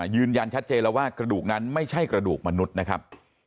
ยืนยันชัดเจนแล้วว่ากระดูกนั้นไม่ใช่กระดูกมนุษย์นะครับ